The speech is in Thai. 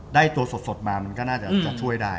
ได้ตัวสดมามันก็น่าจะช่วยได้